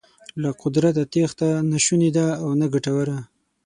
له قدرته تېښته نه شونې ده او نه ګټوره.